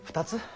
２つ？